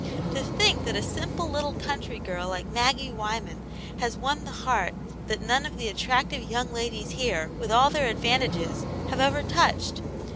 To think that a simple little country girl like Maggie Wyman has won the heart that none of the attractive young ladies here, with all their advantages, have ever touched!